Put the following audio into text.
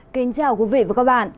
kính chào quý vị và các bạn